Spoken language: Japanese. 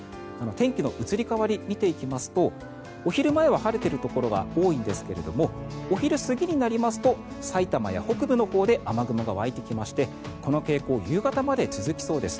天気の移り変わり見ていきますとお昼前は晴れているところが多いんですけどもお昼過ぎになりますと埼玉や北部のほうで雨雲が湧いてきましてこの傾向夕方まで続きそうです。